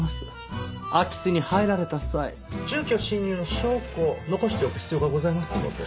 空き巣に入られた際住居侵入の証拠を残しておく必要がございますので。